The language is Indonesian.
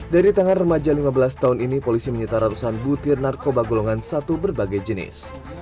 dari tangan remaja lima belas tahun ini polisi menyita ratusan butir narkoba golongan satu berbagai jenis